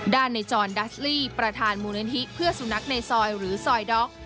ในจรดัสลี่ประธานมูลนิธิเพื่อสุนัขในซอยหรือซอยด๊อก